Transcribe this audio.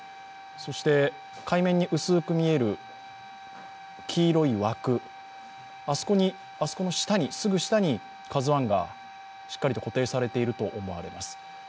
そして、海面に薄く見える黄色い枠あそこのすぐ下に「ＫＡＺＵⅠ」がしっかりと固定されていると思われます。